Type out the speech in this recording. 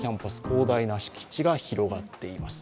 広大な敷地が広がっています。